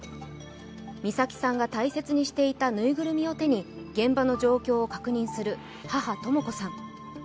美咲さんが大切にしていたぬいぐるみを手に現場の状況を確認する母、とも子さん。